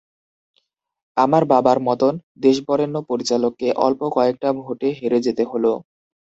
আমার বাবার মতন দেশবরেণ্য পরিচালককে অল্প কয়েকটা ভোটে হেরে যেতে হলো।